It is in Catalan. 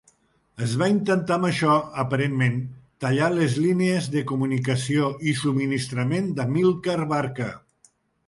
Es va intentar amb això, aparentment, tallar les línies de comunicació i subministrament d'Amílcar Barca.